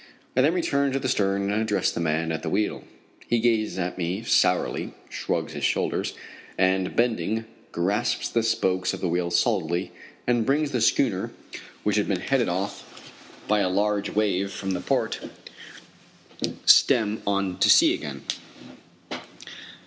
I then return to the stern and address the man at the wheel. He gazes at me sourly, shrugs his shoulders, and bending, grasps the spokes of the wheel solidly, and brings the schooner, which had been headed off by a large wave from port, stem on to sea again.